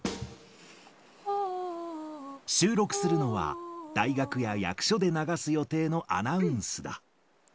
収録するのは、大学や役所で流す予定のアナウンスだ。